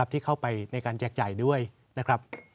ที่เข้าไปในการแจกจ่ายด้วยนะครับ